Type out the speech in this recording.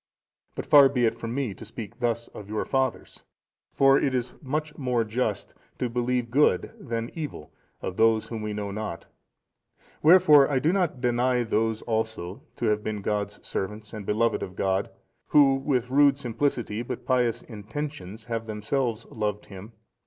But far be it from me to speak thus of your fathers, for it is much more just to believe good than evil of those whom we know not. Wherefore I do not deny those also to have been God's servants, and beloved of God, who with rude simplicity, but pious intentions, have themselves loved Him.